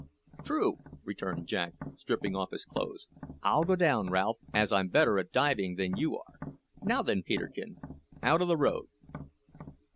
"True," returned Jack, stripping off his clothes. "I'll go down, Ralph, as I'm better at diving than you are. Now, then, Peterkin, out o' the road!"